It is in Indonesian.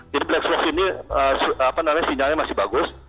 jadi black box ini sinyalnya masih bagus